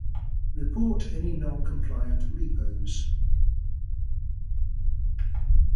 report any non-compliant repos